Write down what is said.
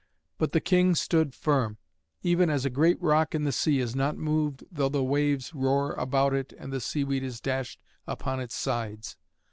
But the king stood firm, even as a great rock in the sea is not moved though the waves roar about it and the seaweed is dashed upon its sides.